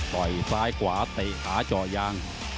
ต่อยซ้ายกว่าเตะขาเจาะยาง